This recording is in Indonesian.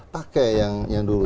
pakai yang dulu